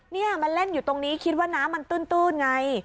นี่มันเล่นอยู่ตรงนี้คิดว่าน้ำมันตื้นไง